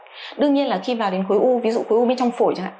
đương nhiên là khi vào đến khối u ví dụ khối u bên trong phổi chẳng hạn